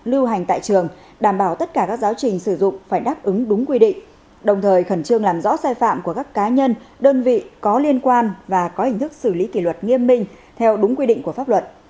lưu hành tại trường đảm bảo tất cả các giáo trình sử dụng phải đáp ứng đúng quy định đồng thời khẩn trương làm rõ sai phạm của các cá nhân đơn vị có liên quan và có hình thức xử lý kỷ luật nghiêm minh theo đúng quy định của pháp luật